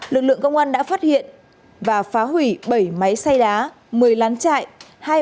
lực lượng công an đã phát hiện và phá hủy bảy máy xay đá một mươi lán chạy